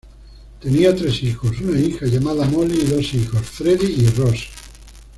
Tenía tres hijos, una hija llamada Molly y dos hijos, Freddie y Ross.